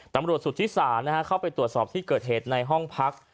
ตำรวจสุธิศาลนะฮะเข้าไปตรวจสอบที่เกิดเหตุในห้องพลักษณ์